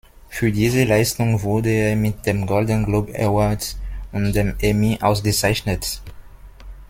Für diese Leistung wurde er mit dem Golden Globe Award und dem Emmy ausgezeichnet.